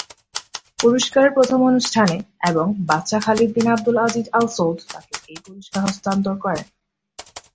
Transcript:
পুরস্কারের প্রথম অনুষ্ঠানে, এবং বাদশাহ খালিদ বিন আবদুল আজিজ আল-সৌদ তাকে এই পুরস্কার হস্তান্তর করেন।